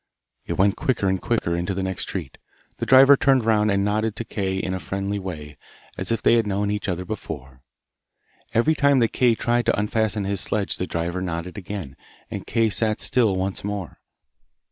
It went quicker and quicker into the next street. The driver turned round, and nodded to Kay ina friendly way as if they had known each other before. Every time that Kay tried to unfasten his sledge the driver nodded again, and Kay sat still once more.